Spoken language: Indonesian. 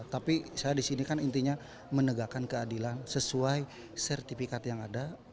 tapi saya di sini kan intinya menegakkan keadilan sesuai sertifikat yang ada